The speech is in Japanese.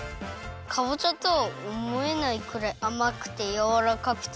かぼちゃとはおもえないくらいあまくてやわらかくて。